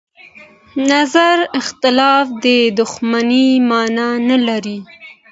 د نظر اختلاف د دښمنۍ مانا نه لري